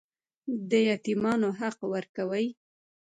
د یتیمانو حق ورکوئ؟